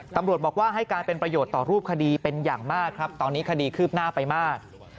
ตำรวจบอกว่าให้การเป็นประโยชน์ต่อรูปคดีเป็นอย่างมากครับตอนนี้คดีคืบหน้าไปมาก